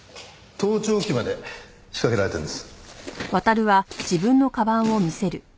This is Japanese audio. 盗聴器まで仕掛けられてるんです。